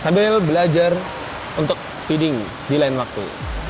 sambil belajar untuk feeding di lain waktu